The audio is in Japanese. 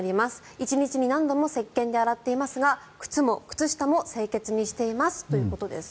１日に何度もせっけんで洗っていますが靴も靴下も清潔にしていますということです。